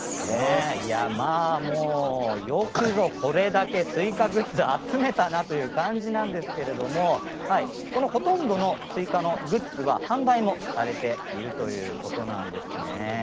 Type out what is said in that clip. よくぞこれだけスイカグッズを集めたなという感じなんですけれどほとんどのスイカのグッズが販売がされているということなんですね。